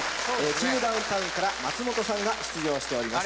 チームダウンタウンから松本さんが出場しております。